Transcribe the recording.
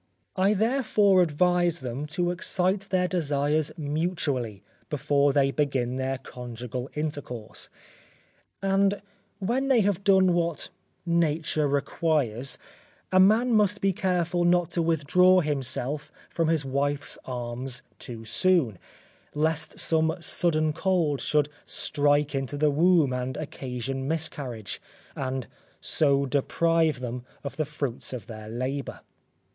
I, therefore, advise them to excite their desires mutually before they begin their conjugal intercourse, and when they have done what nature requires, a man must be careful not to withdraw himself from his wife's arms too soon, lest some sudden cold should strike into the womb and occasion miscarriage, and so deprive them of the fruits of their labour.